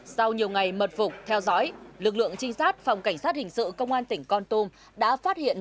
sau nhiều ngày mật phục theo dõi lực lượng trinh sát phòng cảnh sát hình sự công an tỉnh con tum đã phát hiện